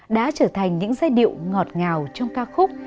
đã trở thành những giai điệu ngọt ngào trong ca khúc